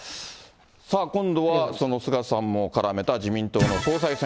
さあ、今度はこの菅さんも絡めた自民党の総裁選。